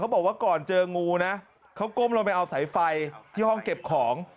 บอกว่าก่อนเจองูนะเขาก้มลงไปเอาสายไฟที่ห้องเก็บของ